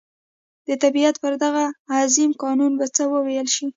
د طبعیت پر دغه عظیم قانون به څه وویل شي.